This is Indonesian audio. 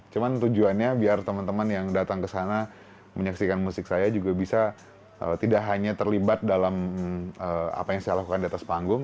cuma tujuannya biar teman teman yang datang ke sana menyaksikan musik saya juga bisa tidak hanya terlibat dalam apa yang saya lakukan di atas panggung